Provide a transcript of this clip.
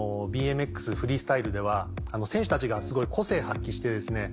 フリースタイルでは選手たちがすごい個性発揮してですね